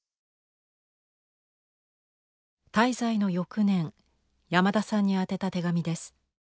滞在の翌年山田さんに宛てた手紙です。